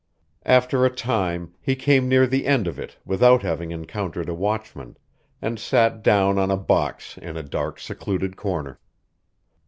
After a time he came near the end of it without having encountered a watchman, and sat down on a box in a dark, secluded corner.